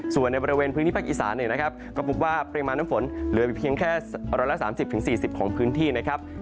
ส่วนในบริเวณพื้นที่ภาคอีสานเนี่ยนะครับก็พบว่าปริมาณน้ำฝนเหลืออยู่เพียงแค่๑๓๐๔๐ของพื้นที่นะครับ